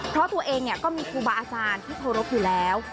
เพราะตัวเองก็มีครูบาอาจารย์ที่เคารพอยู่แล้ว